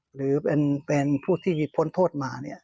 หรือเป็นผู้ที่พ้นโทษมา